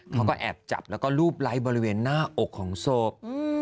เขาก็แอบจับแล้วก็รูปไลค์บริเวณหน้าอกของศพ